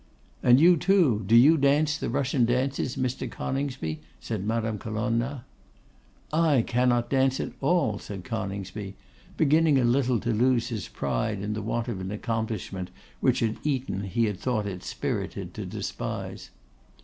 'And you too, do you dance the Russian dances, Mr. Coningsby?' said Madame Colonna. 'I cannot dance at all,' said Coningsby, beginning a little to lose his pride in the want of an accomplishment which at Eton he had thought it spirited to despise.